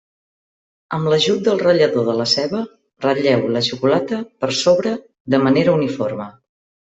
Amb l'ajut del ratllador de la ceba, ratlleu la xocolata per sobre de manera uniforme.